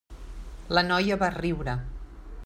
La noia va riure.